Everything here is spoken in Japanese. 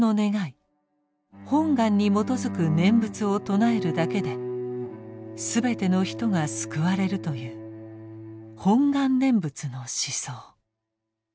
「本願」に基づく念仏を称えるだけですべての人が救われるという「本願念仏」の思想。